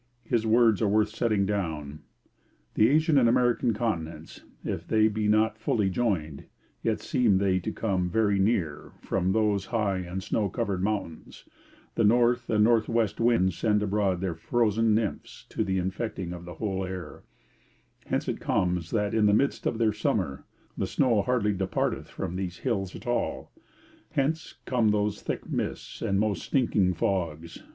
His words are worth setting down: '_The Asian and American continents, if they be not fully joined, yet seem they to come very neere, from whose high and snow covered mountains, the north and north west winds send abroad their frozen nimphes to the infecting of the whole air hence comes it that in the middest of their summer, the snow hardly departeth from these hills at all; hence come those thicke mists and most stinking fogges